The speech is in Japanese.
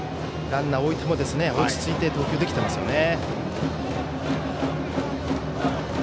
ランナーを置いても落ち着いて投球できていますね。